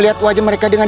bahkan saya tarda di nemu